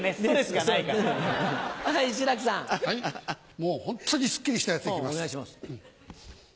もうホントにスッキリしたやついきます。